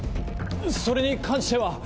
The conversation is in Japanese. それに関しては。